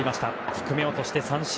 低め落として、三振。